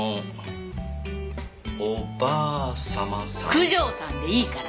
「九条さん」でいいから。